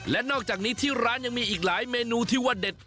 และนอกจากนี้ที่ร้านยังมีอีกหลายเมนูที่ว่าเด็ด